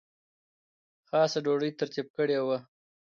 خاصه ډوډۍ ترتیب کړې وه.